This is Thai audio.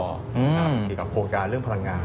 หรือโครงการเรื่องพลังงาน